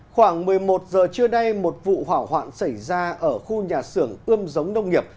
khoảng một mươi một giờ trưa đây một vụ hỏa hoạn xảy ra ở khu nhà xưởng ươm giống nông nghiệp